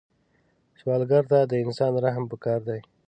سوالګر ته د انسان رحم پکار دی